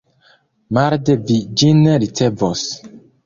Marde vi ĝin ricevos.